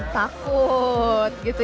takut gitu ya